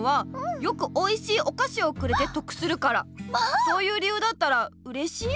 そういう理由だったらうれしい？